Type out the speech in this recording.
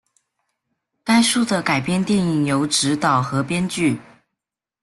该书的改编电影由执导和编剧。